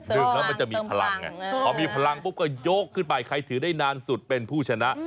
ดึงแล้วมันจะมีพลังไงพอมีพลังปุ๊บก็ยกขึ้นไปใครถือได้นานสุดเป็นผู้ชนะ